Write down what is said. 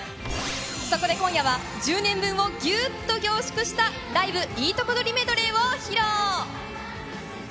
そこで今夜は１０年分をギュッと凝縮した、ライブいいとこ取りメドレーを披露。